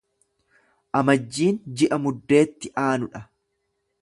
Amajjiin ji'a Muddeetti aanu dha.